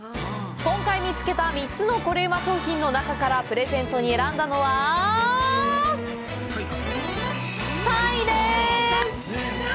今回見つけた３つのコレうま商品の中からプレゼントに選んだのは鯛です！